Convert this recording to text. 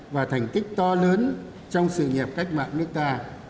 và thành tích to lớn trong sự nghiệp cách mạng nước ta